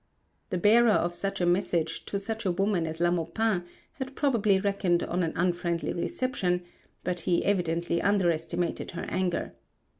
The bearer of such a message to such a woman as La Maupin had probably reckoned on an unfriendly reception; but he evidently underestimated her anger.